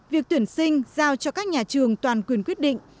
việc tuyển sinh giao cho các nhà trường toàn quyền quyết định